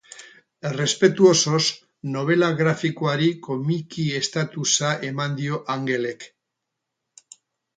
Errespetu osoz, nobela grafikoari komiki estatusa eman dio Angelek.